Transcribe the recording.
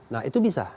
nah itu bisa